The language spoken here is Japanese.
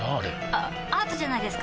あアートじゃないですか？